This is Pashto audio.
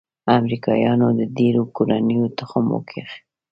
امریکايانو د ډېرو کورنيو تخم وکيښ.